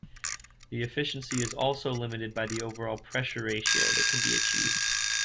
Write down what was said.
The efficiency is also limited by the overall pressure ratio that can be achieved.